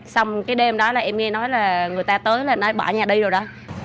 xong cái đêm đó là em nghe nói là người ta tới là nói bỏ nhà đi rồi đó